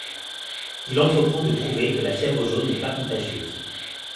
Il entreprend de prouver que la fièvre jaune n'est pas contagieuse.